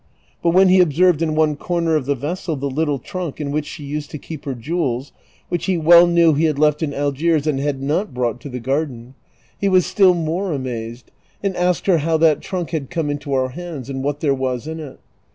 But when he observed in one corner of the vessel the little trunk in whicli she used to keep her jewels, which he well knew he had left in Algieis and had not brought to the gai'den, he was still more amazed, and asked her how that trunk had come into our hands, and what there was in it.